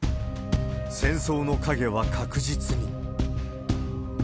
戦争の影は確実に。